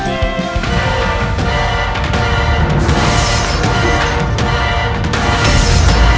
aku harus menyelidikinya